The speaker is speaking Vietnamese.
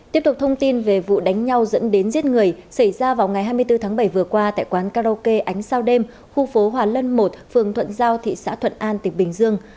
tiếp tục thông tin về vụ đánh nhau dẫn đến giết người xảy ra vào ngày hai mươi bốn tháng bảy vừa qua tại quán karaoke ánh sao đêm khu phố hòa lân một phường thuận giao thị xã thuận an tỉnh bình dương